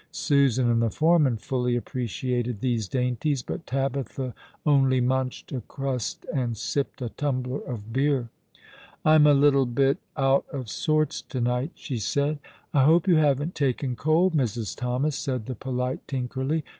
Susan and the foreman fully appreciated these dainties; but Tabitha only munched a crust and sipped a tumbler of beer. " I'm a little bit out of sorts to night," she said. "I hope you haven't taken cold, Mrs. Thomas," said the polite Tinkerly.